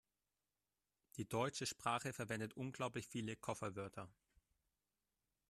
Die deutsche Sprache verwendet unglaublich viele Kofferwörter.